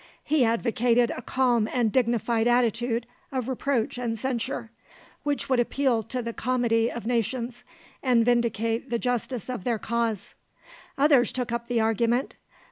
He advocated a calm and dignified attitude of reproach and censure, which would appeal to the comity of nations and vindicate the justice of their cause. Others took up the argument.